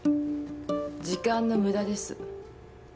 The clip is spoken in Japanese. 時間の無駄です。